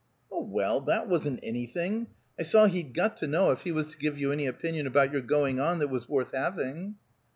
"Oh, well, that wasn't anything! I saw he'd got to know if he was to give any opinion about your going on that was worth having."